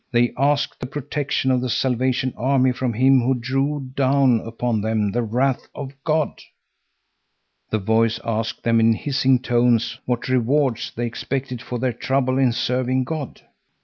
They asked the protection of the Salvation Army from him who drew down upon them the wrath of God. The voice asked them in hissing tones what rewards they expected for their trouble in serving God.